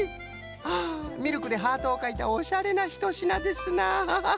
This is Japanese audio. あミルクでハートをかいたおしゃれなひとしなですな。